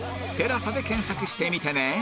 「テラサ」で検索してみてね